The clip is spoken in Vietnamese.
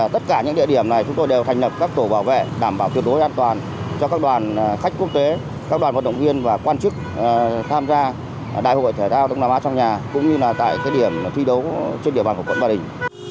tất cả những địa điểm này chúng tôi đều thành lập các tổ bảo vệ đảm bảo tuyệt đối an toàn cho các đoàn khách quốc tế các đoàn vận động viên và quan chức tham gia đại hội thể thao đông nam á trong nhà cũng như là tại điểm thi đấu trên địa bàn của quận ba đình